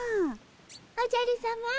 おじゃるさま。